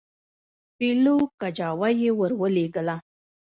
پیلو کجاوه یې ورولېږله.